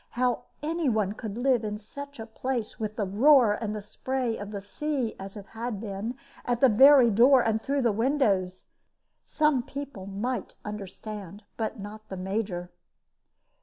How any one could live in such a place, with the roar and the spray of the sea, as it had been, at the very door, and through the windows, some people might understand, but not the Major.